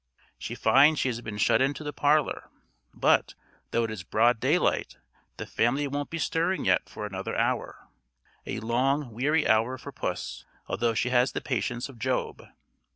She finds she has been shut into the parlour; but, though it is broad day light, the family won't be stirring yet for another hour. A long weary hour for puss, although she has the patience of Job.